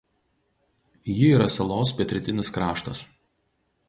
Ji yra salos pietrytinis kraštas.